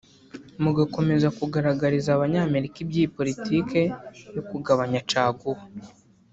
mugakomeza kugaragariza Abanyamerika iby’iyi politiki yo kugabanya caguwa